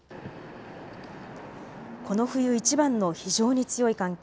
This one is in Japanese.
この冬いちばんの非常に強い寒気。